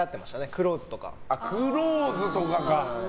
「クローズ」とか。